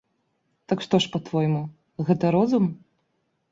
Так што ж па-твойму, гэта розум?